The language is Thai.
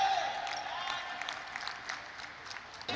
สวัสดีครับ